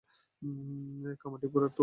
কামাঠিপুরার তো আছেন।